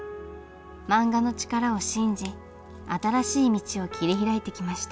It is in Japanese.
漫画の力を信じ新しい道を切り開いてきました。